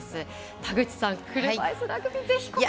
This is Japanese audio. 田口さん、車いすラグビー。